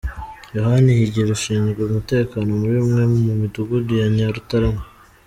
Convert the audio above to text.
Yohani Higiro ashinzwe umutekano muri umwe mu midugudu ya Nyarutarama.